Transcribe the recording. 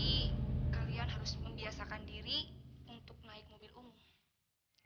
jadi kalian harus membiasakan diri untuk naik mobil umum